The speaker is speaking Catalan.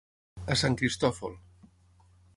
A sant Cristòfol.